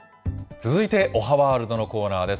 続いておはワールドのコーナーです。